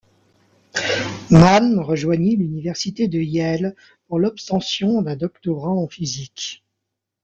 Mann rejoignit l'université de Yale pour l'obtention d'un doctorat en physique.